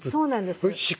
そうなんですよ。